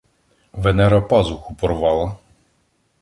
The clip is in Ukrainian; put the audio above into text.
Венера пазуху порвала